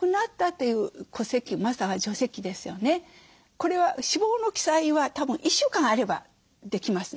これは死亡の記載はたぶん１週間あればできますね。